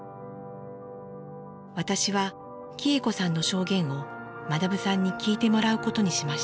私は喜恵子さんの証言を学さんに聞いてもらうことにしました。